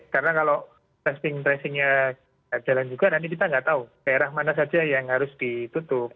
karena kalau testing tracingnya tidak jalan juga nanti kita tidak tahu daerah mana saja yang harus ditutup